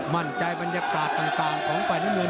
มั่นใจบรรยากาศต่างของฝ่ายน้ำเนือง